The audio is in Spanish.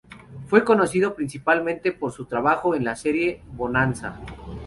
Fue conocido principalmente por su trabajo en la serie "Bonanza".